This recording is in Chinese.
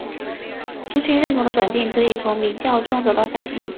族群认同的转变可以从民调中得到反映。